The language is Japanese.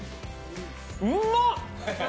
うまっ！